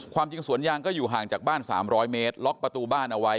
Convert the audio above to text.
ความจริงสวนยางก็อยู่ห่างจากบ้าน๓๐๐เมตรล็อกประตูบ้านเอาไว้